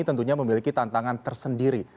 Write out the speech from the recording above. tentunya memiliki tantangan tersendiri